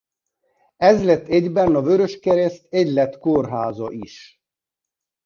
Ez lett egyben a Vöröskereszt Egylet kórháza is.